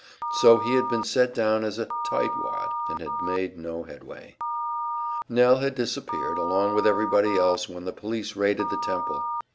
So he had been set down as a "tight wad," and had made no headway. Nell had disappeared, along with everybody else when the police raided the Temple.